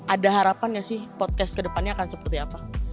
ada harapan gak sih podcast kedepannya akan seperti apa